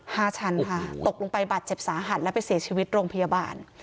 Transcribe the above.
ชั้นค่ะตกลงไปบาดเจ็บสาหัสและไปเสียชีวิตโรงพยาบาล